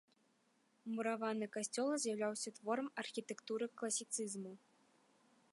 Мураваны касцёл з'яўляўся творам архітэктуры класіцызму.